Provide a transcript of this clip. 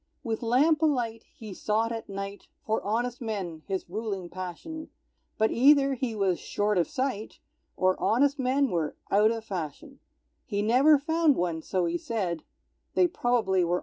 With lamp alight he sought at night For honest men, his ruling passion; But either he was short of sight, Or honest men were out of fashion; He never found one, so he said; They probably were all in bed.